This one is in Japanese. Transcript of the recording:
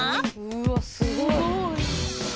うわすごい！